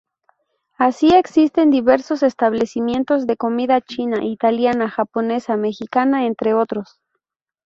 Así existen diversos establecimientos de comida china, italiana, japonesa, mexicana, entre otros.